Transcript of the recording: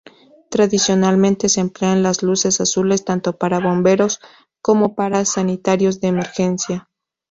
Tradicionalmente, se emplean las luces azules tanto para bomberos, como para sanitarios de emergencias.